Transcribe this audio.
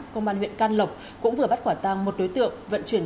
công an huyện can lộc cũng vừa bắt quả tăng một đối tượng vận chuyển